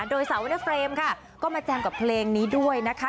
โดยสาวเวอร์เฟรมค่ะก็มาแจมกับเพลงนี้ด้วยนะคะ